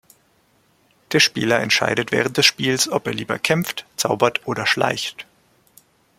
Der Spieler entscheidet während des Spiels, ob er lieber kämpft, zaubert oder schleicht.